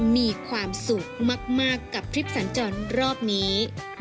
มีความสุขมากกับทริปสัญจรรอบนี้